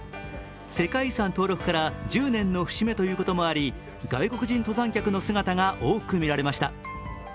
世界遺産登録から１０年の節目ということもあり外国人登山客の姿が多く見られました。